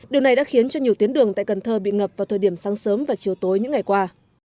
điều này đã khiến cho nhiều tuyến đường tại cần thơ bị ngập vào thời điểm sáng sớm và chiều tối những ngày qua